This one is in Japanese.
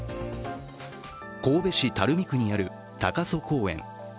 神戸市垂水区にある高曽公園。